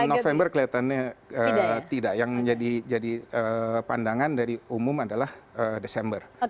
dua november kelihatannya tidak yang menjadi pandangan dari umum adalah desember